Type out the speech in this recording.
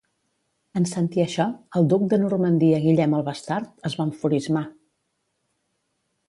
En sentir això, el duc de Normandia Guillem el Bastard es va enfurismar.